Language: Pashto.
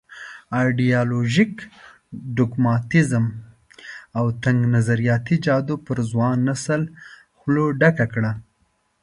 ایډیالوژيک ډوګماتېزم او تنګ نظریاتي جادو په ځوان نسل خوله ډکه کړه.